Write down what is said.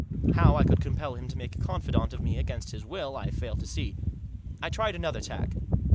How I could compel him to make a confidant of me against his will I failed to see. I tried another tack.